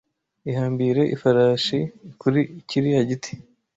Ihambire ifarashi kuri kiriya giti.